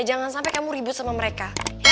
jangan sampai kamu ribut sama mereka